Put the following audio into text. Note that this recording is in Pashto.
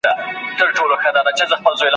غوایي بار ته سي او خره وکړي ښکرونه !.